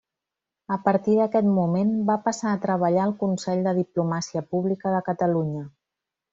A partir d'aquest moment, va passar a treballar al Consell de Diplomàcia Pública de Catalunya.